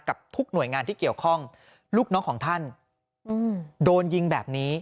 กับทุกหน่วยงานที่เกี่ยวข้องลูกน้องของท่านโดนยิงแบบนี้